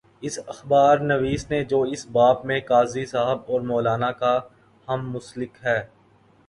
اس اخبار نویس نے جو اس باب میں قاضی صاحب اور مو لانا کا ہم مسلک ہے۔